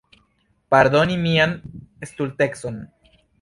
Pardoni mian stultecon.